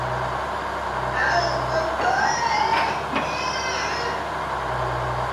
เอาล่ะ ถ้างั้นนายตรวจแลป ฉันจะไปหาเธอ